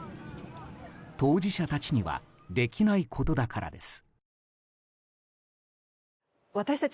当事者たちにはできないことだからです。